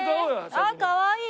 あっかわいい！